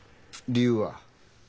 理由は？